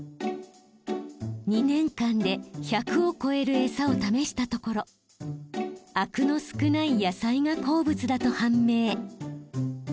２年間で１００を超える餌を試したところあくの少ない野菜が好物だと判明。